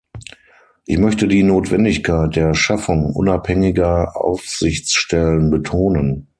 Ich möchte die Notwendigkeit der Schaffung unabhängiger Aufsichtsstellen betonen.